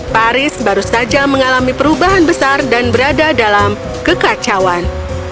paris baru saja mengalami perubahan besar dan berada dalam kekacauan